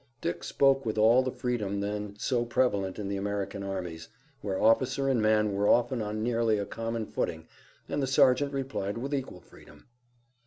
Dick spoke with all the freedom then so prevalent in the American armies, where officer and man were often on nearly a common footing, and the sergeant replied with equal freedom.